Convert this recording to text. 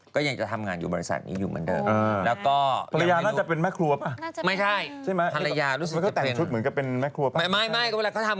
ก็ยังจะทำงานบริษัทอยู่เหมือนเดิม